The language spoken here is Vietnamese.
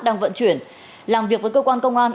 đang vận chuyển làm việc với cơ quan công an